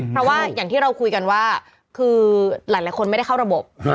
เพราะว่าอย่างที่เราคุยกันว่าคือหลายคนไม่ได้เข้าระบบ